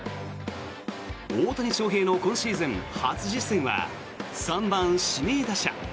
大谷翔平の今シーズン初実戦は３番、指名打者。